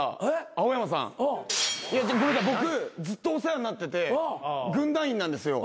僕ずっとお世話になってて軍団員なんですよ。